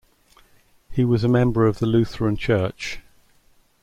He was member of the Lutheran church.